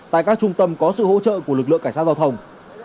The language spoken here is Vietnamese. tại các trung tâm có sự hỗ trợ của lực lượng cảnh sát giao thông